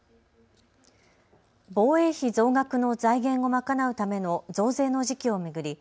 防衛費増額の財源を賄うための増税の時期を巡り